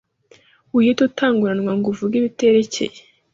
wihita utanguranwa ngo uvuge ibiterekeye